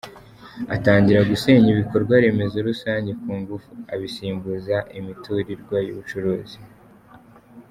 Atangira gusenya ibikorwa remezo rusange ku ngufu abisimbuza imiturirwa y’ubucuruzi.